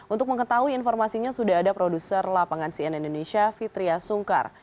untuk mengetahui informasinya sudah ada produser lapangan cnn indonesia fitriah sungkar